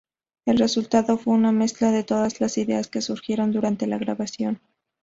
El resultado fue una mezcla de todas las ideas que surgieron durante la grabación.